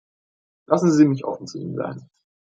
Lassen Sie mich offen zu Ihnen sein.